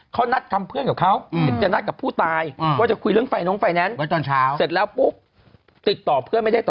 เขานัดทำเพื่อนแบบเขา